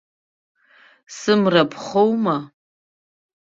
Сымра ԥхоума?